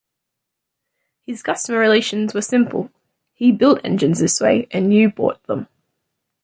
His customer relations were simple-he built engines his way, and you bought them.